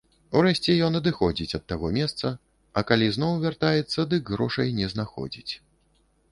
Урэшце ён адыходзіць ад таго месца, а калі зноў вяртаецца, дык грошай не знаходзіць.